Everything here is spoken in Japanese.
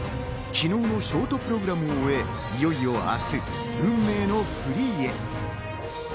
昨日のショートプログラムを終え、いよいよ明日、運命のフリーへ。